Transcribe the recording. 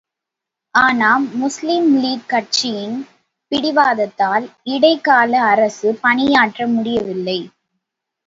ஆனால், முஸ்லீம் லீக் கட்சியின் பிடிவாதத்தால் இடைக்கால அரசு பணியாற்ற முடியவில்லை.